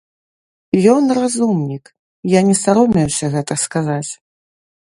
Ён разумнік, я не саромеюся гэта сказаць.